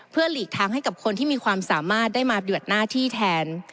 เพื่อหลีกทางให้กับคนที่มีความสามารถได้มาปฏิบัติหน้าที่แทน